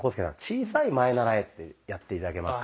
小さい「前へならえ」ってやって頂けますか。